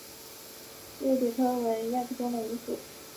绿袖蝶属是蛱蝶科釉蛱蝶亚科中的一个属。